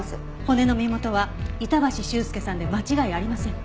骨の身元は板橋秀介さんで間違いありません。